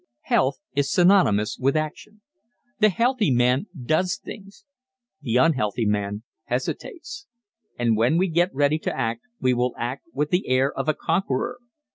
Health is synonymous with action. The healthy man does things, the unhealthy man hesitates. And when we get ready to act we will act with the air of a conqueror.